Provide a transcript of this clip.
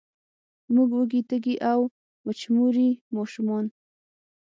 موږ وږې، تږې او، وچموري ماشومان